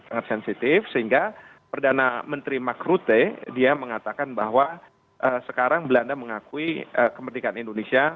sangat sensitif sehingga perdana menteri magrute dia mengatakan bahwa sekarang belanda mengakui kemerdekaan indonesia